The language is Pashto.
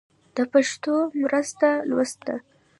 د پښتو مرسته لوست ده.